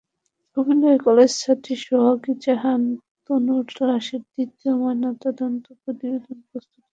কুমিল্লার কলেজছাত্রী সোহাগী জাহান তনুর লাশের দ্বিতীয় ময়নাতদন্ত প্রতিবেদন প্রস্তুত করা হয়েছে।